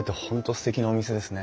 すてきなお店ですね。